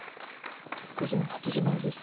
午前８時前です。